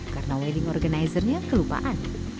karena wedding organizer nya kelupaan